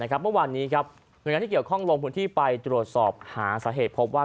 เมื่อวานนี้หน่วยงานที่เกี่ยวข้องลงพื้นที่ไปตรวจสอบหาสาเหตุพบว่า